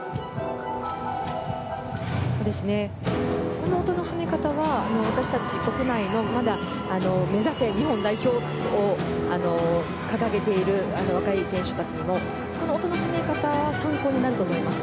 この音のはめ方は私たち国内の、まだ目指せ日本代表を掲げている若い選手たちにもこの音のはめ方は参考になると思います。